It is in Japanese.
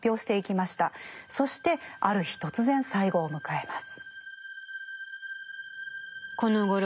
そしてある日突然最期を迎えます。